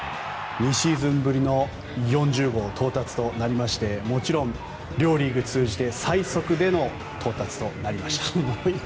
２シーズンぶりの４０号到達となりましてもちろん、両リーグ通じて最速での到達となりました。